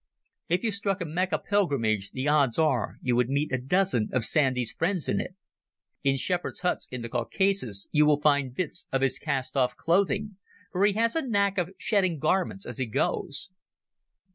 If you struck a Mecca pilgrimage the odds are you would meet a dozen of Sandy's friends in it. In shepherds' huts in the Caucasus you will find bits of his cast off clothing, for he has a knack of shedding garments as he goes.